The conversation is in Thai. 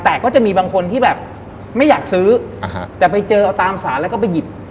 แต่ก็จะมีบางคนที่แบบไม่อยากซื้ออ่าฮะแต่ไปเจอเอาตามสารแล้วก็ไปหยิบ